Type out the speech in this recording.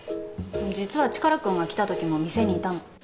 実はチカラくんが来た時も店にいたの。